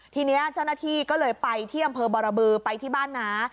ทีนี้เจ้าหน้าที่ก็เลยไปที่อำเภอบรบือไปที่บ้านน้า